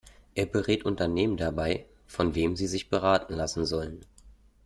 Er berät Unternehmen dabei, von wem sie sich beraten lassen sollen.